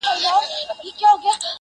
چي پرې تايٌید د میني ولګوم داغ یې کړمه،